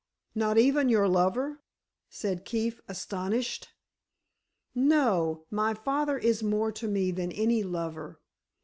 "Not even your lover?" said Keefe, astonished. "No; my father is more to me than any lover."